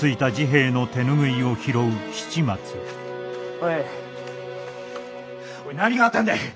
おいおい何があったんだ？